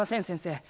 先生